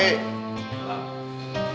jalan dulu ya